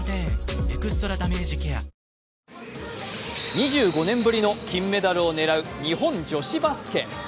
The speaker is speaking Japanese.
２５年ぶりの金メダルを狙う日本女子バスケ。